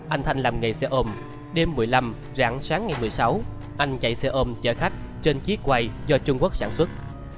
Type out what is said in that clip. anh thanh làm nghề xe ôm đêm một mươi năm rãng sáng ngày một mươi sáu anh chạy xe ôm chở khách trên chiếc quay do trung quốc sản xuất